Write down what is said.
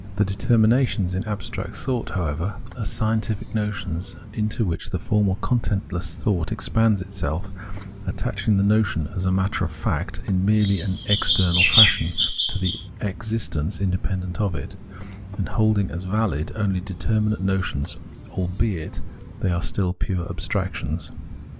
The determinations in abstract thought, however, are scientific notions, into which formal contentless thought expands itself, attaching the notion, as a matter of fact in merely an external fashion, to the existence inde pendent of it, and holding as valid only determinate notions, albeit they are still pure abstractions.